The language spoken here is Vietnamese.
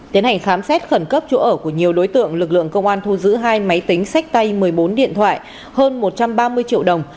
tiến hành khám xét khẩn cấp chỗ ở của nhiều đối tượng lực lượng công an thu giữ hai máy tính sách tay một mươi bốn điện thoại hơn một trăm ba mươi triệu đồng